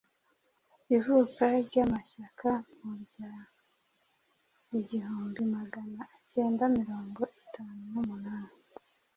ivuka ry'amashyaka mu bya igihumbi Magana acyendamirongo itanu numunani